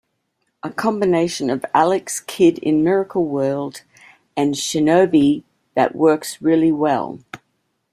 A combination of "Alex Kidd in Miracle World" and "Shinobi" that "works really well.